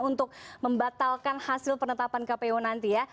untuk membatalkan hasil penetapan kpu nanti ya